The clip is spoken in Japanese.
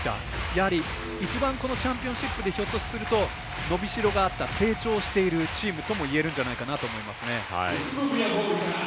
やはり、一番このチャンピオンシップでひょっとすると伸びしろがあった成長しているチームともいえるんじゃないかなと思います。